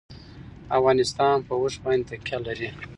افغانستان په اوښ باندې تکیه لري.